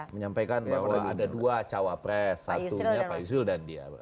menyampaikan bahwa ada dua cawapres satunya pak yusril dan dia